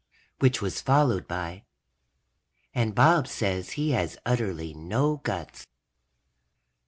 _ Which was followed by: _... and Bob says he has utterly no guts.